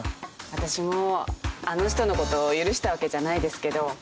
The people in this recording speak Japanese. あたしもあの人のこと許したわけじゃないですけど。